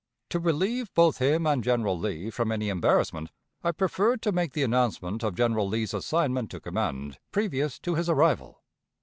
To relieve both him and General Lee from any embarrassment, I preferred to make the announcement of General Lee's assignment to command previous to his arrival.